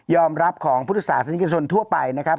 รับของพุทธศาสนิกชนทั่วไปนะครับ